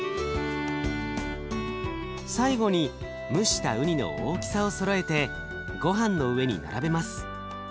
最後に蒸したうにの大きさをそろえてごはんの上に並べます。